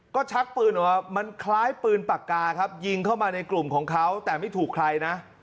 ก็ชักปืนออกมามันคล้ายปืนปากกาครับยิงเข้ามาในกลุ่มของเขาแต่ไม่ถูกใครนะ